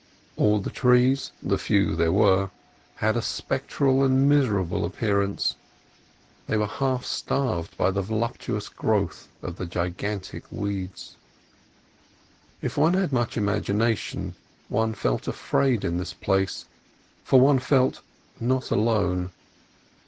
All the trees—the few there were—had a spectral and miserable appearance. They were half starved by the voluptuous growth of the gigantic weeds. If one had much imagination one felt afraid in this place, for one felt not alone.